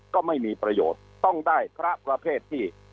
ก็ไม่มีประโยชน์ต้องได้พระประเภทที่